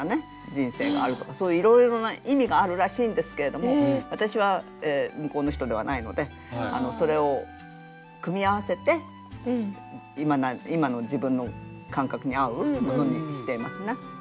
人生があるとかそういういろいろな意味があるらしいんですけれども私は向こうの人ではないのでそれを組み合わせて今の自分の感覚に合うものにしてますね。